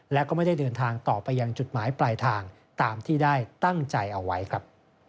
และก็ไม่ได้เดินทางต่อไปยังจุดหมายปลายทางตามที่ได้ตั้งใจเอาไว้ครับ